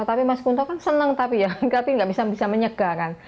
tapi mas kunto kan seneng tapi ya berarti nggak bisa menyegah kan